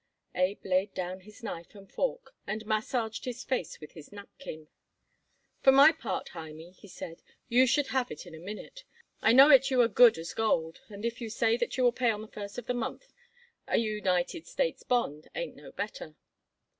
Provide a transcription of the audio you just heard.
Abe laid down his knife and fork and massaged his face with his napkin. "For my part, Hymie," he said, "you should have it in a minute. I know it you are good as gold, and if you say that you will pay on the first of the month a U nited States bond ain't no better."